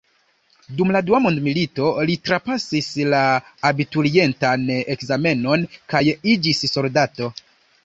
Dum la Dua mondmilito li trapasis la abiturientan ekzamenon kaj iĝis soldato.